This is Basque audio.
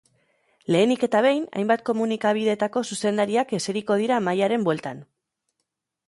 Lehenik eta behin, hainbat komunikabidetako zuzendariak eseriko dira mahaiaren bueltan.